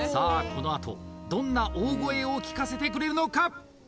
このあとどんな大声を聞かせてくれるのか？